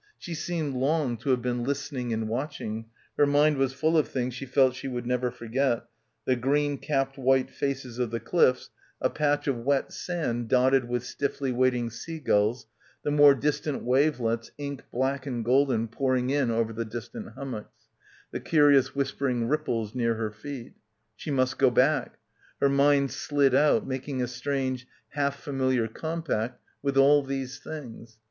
She seemed long to have been listening and watching, her mind was full of things she felt she would never forget, the green capped white faces of die cliffs, a patch of wet sand dotted with stiffly waiting seagulls, the more distant wavelets ink black and golden pouring in over the distant hummocks, the curious whispering ripples near her feet She must go back. Her mind slid out making a strange half familiar compact with all these — 237 — PILGRIMAGE things.